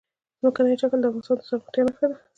ځمکنی شکل د افغانستان د زرغونتیا نښه ده.